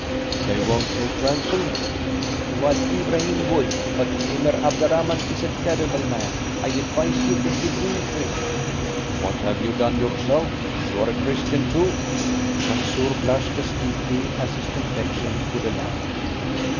"They won't take ransom?" "Wad Ibrahim would, but the Emir Abderrahman is a terrible man. I advise you to give in to him." "What have you done yourself? You are a Christian, too." Mansoor blushed as deeply as his complexion would allow.